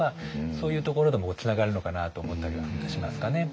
そういうところでもつながるのかなと思ったりはしますかね。